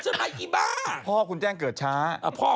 กระเทยเก่งกว่าเออแสดงความเป็นเจ้าข้าว